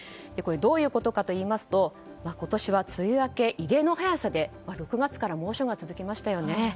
どういうことかといいますと今年は梅雨明けが異例の早さで６月から猛暑が続きましたね。